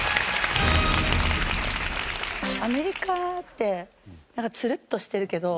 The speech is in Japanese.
アメリカってなんかツルッとしてるけど。